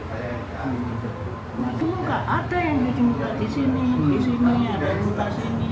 ada yang di sini di sini ada yang di sini